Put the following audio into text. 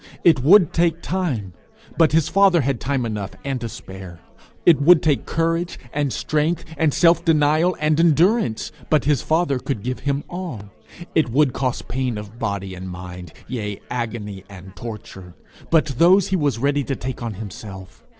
It would take time; but his Father had time enough and to spare. It would take courage and strength and self denial and endurance; but his Father could give him all. It would cost pain of body and mind, yea, agony and torture; but those he was ready to take on himself.